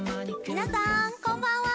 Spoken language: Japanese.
皆さん、こんばんは！